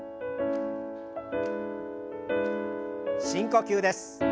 深呼吸です。